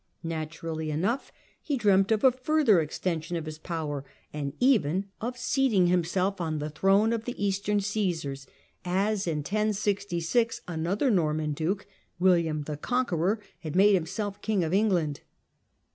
Naturally enough, he dreamt of a further extension of his power, and even of seating himself on the throne of the Eastern Caesars, as, in 1066, another Norman duke, William the Conqueror, had made himself King of Eng land.